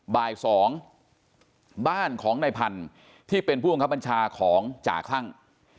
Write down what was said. บ่าย๒บ้านของนายพันธุ์ที่เป็นผู้บังคับบัญชาของจ่าคลั่ง